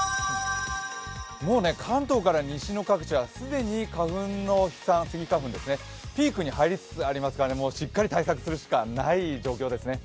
もう関東から西の各地は既にスギ花粉のピークに入りつつありますからしっかり対策するしかない状況ですね。